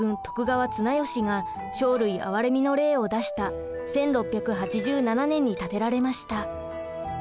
徳川綱吉が生類憐れみの令を出した１６８７年に建てられました。